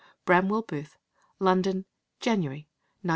BRAMWELL BOOTH. LONDON, January, 1909.